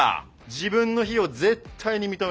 自分の非を絶対に認めない。